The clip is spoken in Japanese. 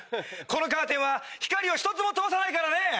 このカーテンは光を一つも通さないからね！